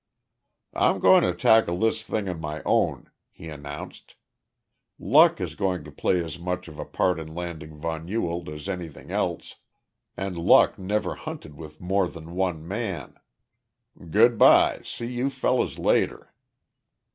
"I'm going to tackle this thing on my own," he announced. "Luck is going to play as much of a part in landing von Ewald as anything else and luck never hunted with more than one man. Good by! See you fellows later."